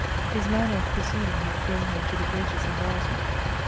His manner of proceeding had thrown her into tUf greatest embarrassment.